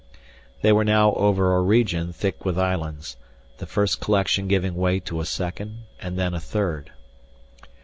They were now over a region thick with islands, the first collection giving way to a second and then a third.